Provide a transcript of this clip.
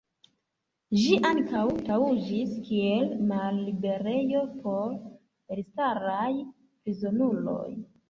Ĝi ankaŭ taŭgis kiel malliberejo por elstaraj prizonuloj.